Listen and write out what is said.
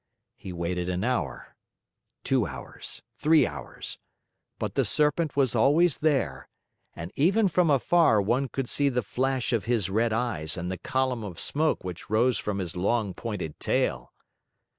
He waited an hour; two hours; three hours; but the Serpent was always there, and even from afar one could see the flash of his red eyes and the column of smoke which rose from his long, pointed tail.